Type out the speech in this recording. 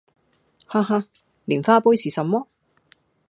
哈哈！蓮花杯是什麼？